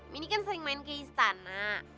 mini kan sering main ke istana